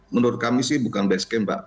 menurut kami sih bukan base camp mbak